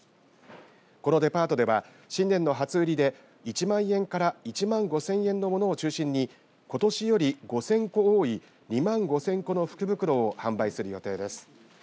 このデパートでは新年の初売りで１万円から１万５０００円のものを中心にことしより５０００個多い２万５０００個の福袋を販売する予定です。